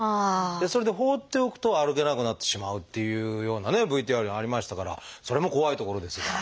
それで放っておくと歩けなくなってしまうっていうようなねＶＴＲにありましたからそれも怖いところですが。